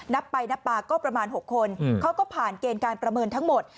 นับไปนับมาก็ประมาณ๖คนเขาก็ผ่านเกณฑ์การประเมินทั้งหมด